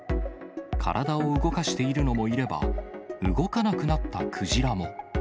体を動かしているのもいれば、動かなくなったクジラも。